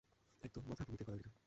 একদম, মাথা ভূমিতে গড়াগড়ি খাবে।